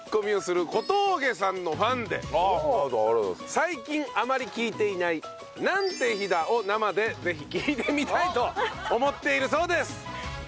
最近あまり聞いていない「なんて日だ！」を生でぜひ聞いてみたいと思っているそうです。